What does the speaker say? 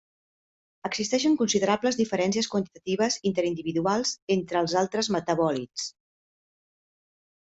Existeixen considerables diferències quantitatives interindividuals entre els altres metabòlits.